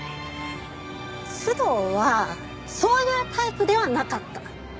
須藤はそういうタイプではなかった。